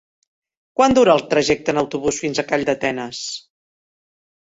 Quant dura el trajecte en autobús fins a Calldetenes?